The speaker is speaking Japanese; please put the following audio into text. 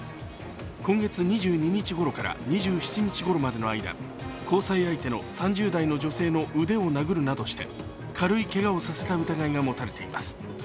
今月２２日ごろから２７日ごろまでの間、交際相手の３０代の女性の腕を殴るなどして軽いけがをさせた疑いが持たれています。